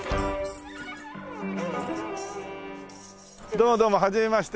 どうもどうもはじめまして。